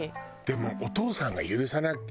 でもお父さんが許さない。